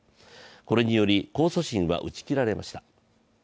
これにより、控訴審は打ち切られました。